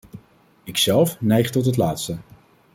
Ikzelf neig tot het laatste.